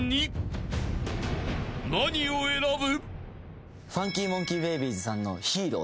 ［何を選ぶ？］